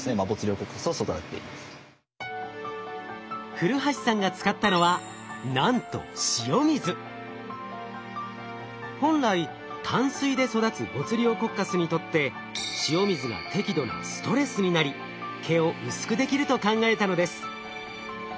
古橋さんが使ったのはなんと本来淡水で育つボツリオコッカスにとって塩水が適度なストレスになり毛を薄くできると考えたのです。